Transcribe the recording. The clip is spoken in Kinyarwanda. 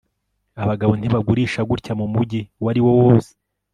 Abagabo ntibagurisha gutya mumujyi uwo ariwo wose